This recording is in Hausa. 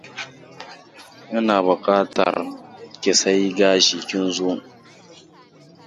Ina bukatar ki, sai gashi kin zo.